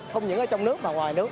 không những ở trong nước mà ngoài nước